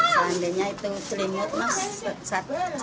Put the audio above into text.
seandainya itu celimut mas